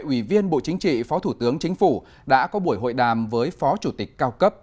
ủy viên bộ chính trị phó thủ tướng chính phủ đã có buổi hội đàm với phó chủ tịch cao cấp